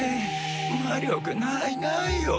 魔力ないないよ。